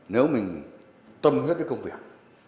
nếu mình tâm huyết đến công việc